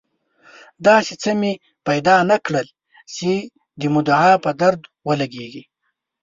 داسې څه مې پیدا نه کړل چې د مدعا په درد ولګېږي.